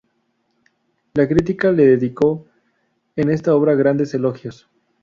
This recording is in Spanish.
La crítica le dedicó en esta obra grandes elogios.